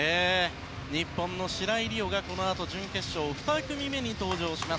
日本の白井璃緒がこのあと準決勝２組目に登場します。